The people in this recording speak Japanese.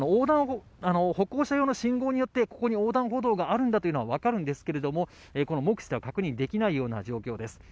歩行者用の信号によって、ここに横断歩道があるんだというのは分かるんですけれども、目視では確認できないような状況です。